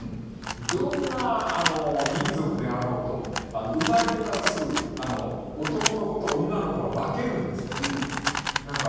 どんな民族であろうと生まれてからすぐ男の子と女の子は分けるんです。